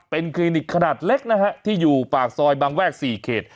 เป็นคลินิกขนาดเล็กนะฮะที่อยู่ปากซอยบางแวก๔เขต